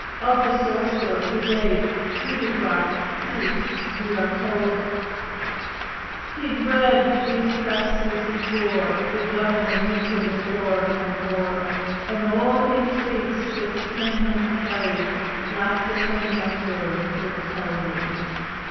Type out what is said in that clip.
Of the sorcerer whose aid Hudibras seeks we are told: He'd read Dee's prefaces before, The Dev'l and Euclid o'er and o'er; And all th' intrigues 'twixt him and Kelley, Lascus and th' Emperor, would tell ye.